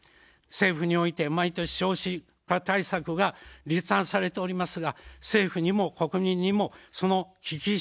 政府において毎年、少子化対策が立案されておりますが、政府にも国民にも、その危機意識が薄すぎます。